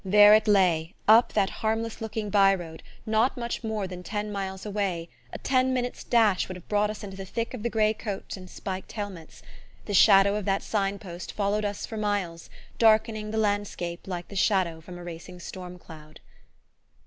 There it lay, up that harmless looking bye road, not much more than ten miles away a ten minutes' dash would have brought us into the thick of the grey coats and spiked helmets! The shadow of that sign post followed us for miles, darkening the landscape like the shadow from a racing storm cloud.